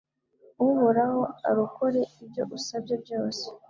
Uhoraho arakore ibyo usabye byose